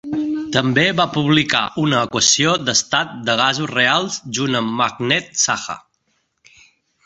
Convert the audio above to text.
També va publicar una equació d'estat de gasos reals junt amb Meghnad Saha.